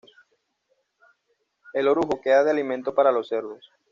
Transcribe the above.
El orujo queda de alimento para los cerdos.